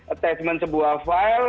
attachment sebuah file